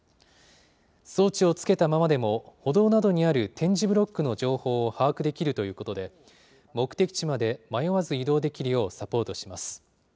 装置をつけたままでも歩道などにある点字ブロックの情報を把握できるということで、目的地まで迷わず移動できるようサポートします。